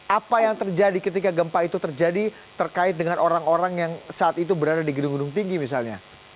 apa yang terjadi ketika gempa itu terjadi terkait dengan orang orang yang saat itu berada di gedung gedung tinggi misalnya